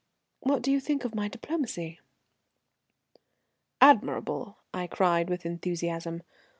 What do you think of my diplomacy?" "Admirable!" I cried, with enthusiasm.